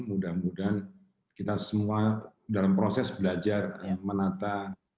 mudah mudahan kita semua dalam proses belajar menata